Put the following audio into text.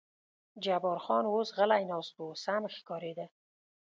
جبار خان اوس غلی ناست و، سم ښکارېده.